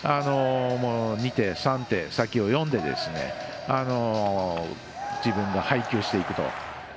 ２手、３手先を読んで配球していくと。